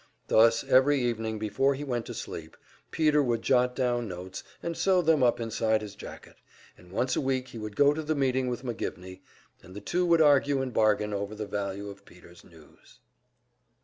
Thus every evening, before he went to sleep, Peter would jot down notes, and sew them up inside his jacket, and once a week he would go to the meeting with McGivney, and the two would argue and bargain over the value of Peter's news.